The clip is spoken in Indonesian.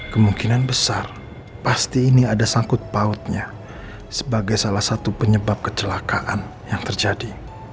kemungkinan besar pasti ini ada sangkut pautnya sebagai salah satu penyebab kecelakaan yang terjadi